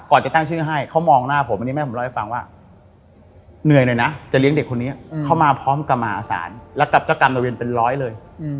จะตั้งชื่อให้เขามองหน้าผมอันนี้แม่ผมเล่าให้ฟังว่าเหนื่อยหน่อยนะจะเลี้ยงเด็กคนนี้เข้ามาพร้อมกับมหาศาลแล้วกับเจ้ากรรมระเวนเป็นร้อยเลย